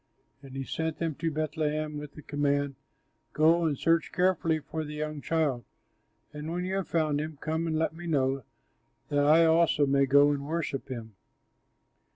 And he sent them to Bethlehem with the command, "Go and search carefully for the young child, and when you have found him, come and let me know, that I also may go and worship him."